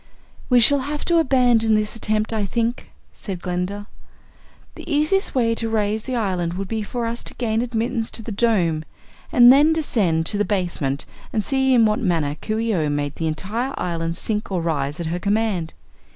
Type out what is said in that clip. "We shall have to abandon this attempt, I think," said Glinda. "The easiest way to raise the island would be for us to gain admittance to the Dome and then descend to the basement and see in what manner Coo ee oh made the entire island sink or rise at her command.